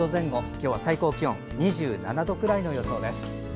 今日は最高気温２７度くらいの予想です。